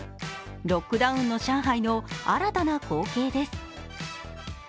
ロックダウンの上海の新たな光景です。